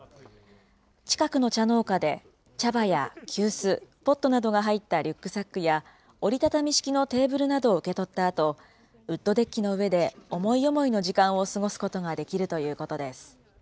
近くの茶農家で茶葉や急須、ポットなどが入ったリュックサックや、折り畳み式のテーブルなどを受け取ったあと、ウッドデッキの上で思い思いの時間を過ごすことができるということです。